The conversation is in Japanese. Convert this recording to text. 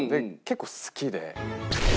結構好きで。